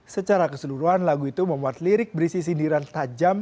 secara keseluruhan lagu itu memuat lirik berisi sindiran tajam